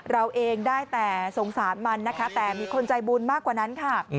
เราเองได้แต่สงสารมันนะคะแต่มีคนใจบุญมากกว่านั้นค่ะ